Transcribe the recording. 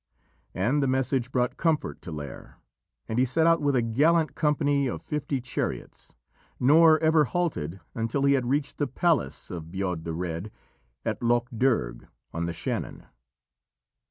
And the message brought comfort to Lîr, and he set out with a gallant company of fifty chariots, nor ever halted until he had reached the palace of Bodb the Red at Lough Derg, on the Shannon.